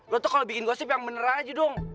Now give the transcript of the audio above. lo tuh kalau bikin gosip yang bener aja dong